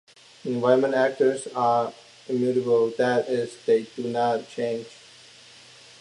Environment Actors are immutable, that is, they do not change.